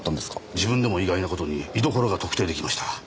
自分でも意外な事に居所が特定出来ました。